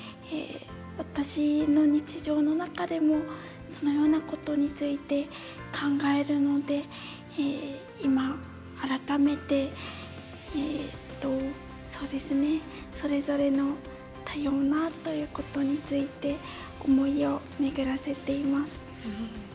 私の日常の中でもそのようなことについて考えるので、今、改めてそれぞれの多様なということについて思いを巡らせています。